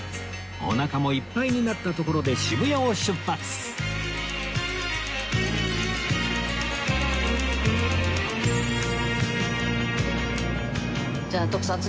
おなかもいっぱいになったところで渋谷を出発じゃあ徳さん